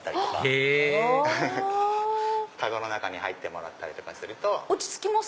へぇ籠の中に入ってもらったりとか。落ち着きます？